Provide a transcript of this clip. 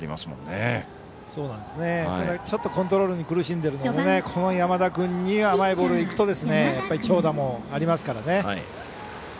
ただ、ちょっとコントロールに苦しんでいるのもこの山田君に甘いボールいくと長打もありますからね。